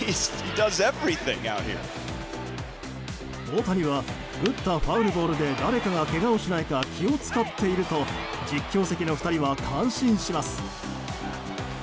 大谷は打ったファウルボールで誰かが、けがをしないか気を使っていると実況席の２人は感心します。